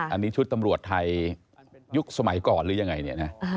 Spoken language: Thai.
อันนี้ชุดตำรวจไทยยุคสมัยก่อนหรือยังไงเนี่ยนะ